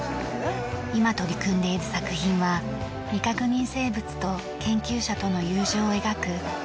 今取り組んでいる作品は未確認生物と研究者との友情を描くＳＦの世界。